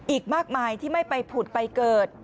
อีกมากมายที่ไม่ไปผุดไปเกิด